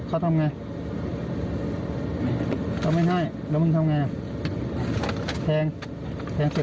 เขาทำไงเขาไม่ให้แล้วมึงทำไงอ่ะแทงแทงเสร็จ